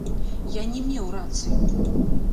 Я не меў рацыю.